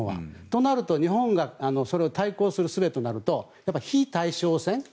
となると、日本がそれを対抗するすべとなると非対称戦。